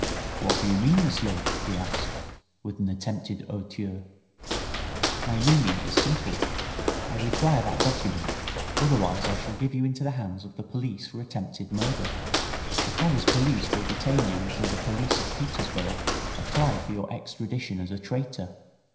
'What do you mean, m'sieur?' he asked, with an attempted hauteur. 'My meaning is simple. I require that document, otherwise I shall give you into the hands of the police for attempted murder. The Paris police will detain you until the police of Petersburg apply for your extradition as a traitor.